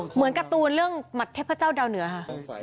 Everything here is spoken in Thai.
เหมือนการ์ตูนเรื่องหมัดเทพเจ้าดาวเหนือค่ะ